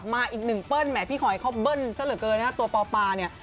มาอีกหนึ่งเปิ้ลแหมพี่หอยเขาเบิ้ลซะเหลือเกินนะฮะตัวปอปาเนี่ย